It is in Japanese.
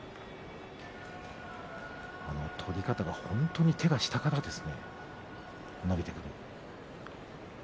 取り方が本当に手が下からですね伸びてくる。